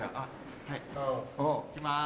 いきます。